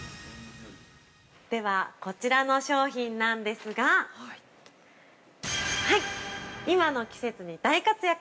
では、こちらの商品なんですが今の季節に大活躍！